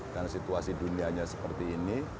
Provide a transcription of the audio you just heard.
karena situasi dunianya seperti ini